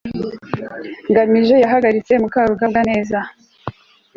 ngamije yahagaritse mukarugambwa neza